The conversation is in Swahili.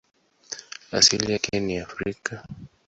Asili yake ni Afrika.